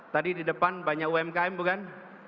tadi di depan banyak umkm bukan